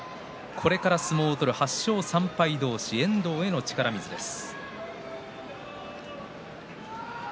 これから相撲を取る８勝３敗同士遠藤への力水です。